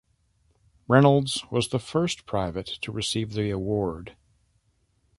Reynolds was the first private to receive the award.